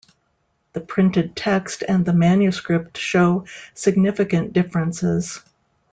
The printed text and the manuscript show significant differences.